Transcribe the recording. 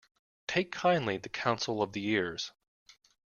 Take kindly the counsel of the years